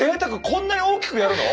こんなに大きくやるの？